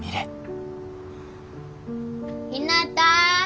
ひなた！